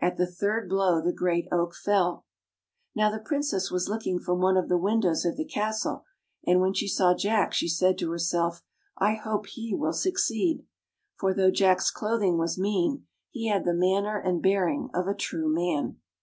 At the third blow the great oak fell I Now the Princess was looking from one of the windows of the castle, and when she saw J ack she said to herself, " I hope he will succeed." For though Jack's clothing was mean, he had the manner and bearing of a true man.